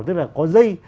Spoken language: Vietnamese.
tức là có dây